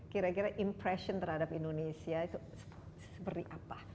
kira kira impression terhadap indonesia itu seperti apa